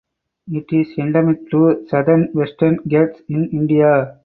It is endemic to southern Western Ghats in India.